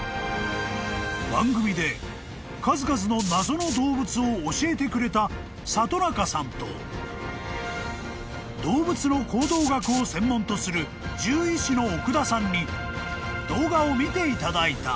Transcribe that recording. ［番組で数々の謎の動物を教えてくれた里中さんと動物の行動学を専門とする獣医師の奥田さんに動画を見ていただいた］